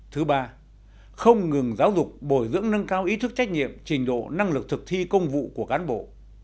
thứ ba không ngừng giáo dục bồi dưỡng nâng cao ý thức trách nhiệm trình độ năng lực thực thi công vụ của cán bộ